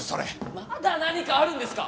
まだ何かあるんですか？